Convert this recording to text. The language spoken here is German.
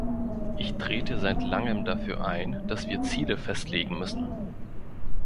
Ich trete seit langem dafür ein, dass wir Ziele festlegen müssen.